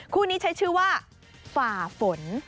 คู่นี้ใช้ชื่อว่าฝ่าฝน